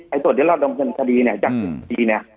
ไอ้ส่วนที่เราดำเนินคดีเนี่ยจากสินทรีย์เนี่ย